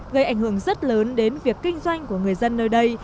gây ảnh hưởng rất lớn đến việc kinh doanh của người dân nơi đây